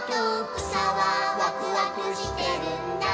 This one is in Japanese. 「くさはワクワクしてるんだ」